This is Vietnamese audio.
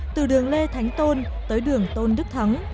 từ đường lê thánh tôn tới đường tôn đức thắng